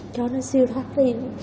cho nó siêu thoát đi